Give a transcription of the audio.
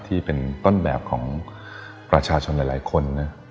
ที่เป็นต้นแบบของประชาชนหลายคนนะ